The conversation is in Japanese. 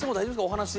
お話。